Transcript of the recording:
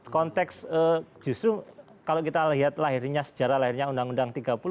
konteks justru kalau kita lihat lahirnya sejarah lahirnya undang undang tiga puluh tahun dua ribu empat belas